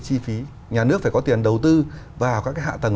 chỉ là mặt bằng